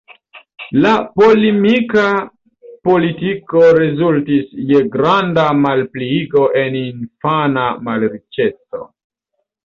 La polemika politiko rezultis je granda malpliigo en infana malriĉeco.